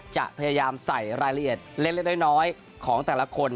จะพยายามใส่รายละเอียดเล่นเล่นน้อยน้อยของแต่ละคน